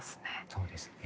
そうですね。